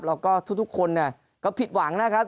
แล้วก็ทุกคนก็ผิดหวังนะครับ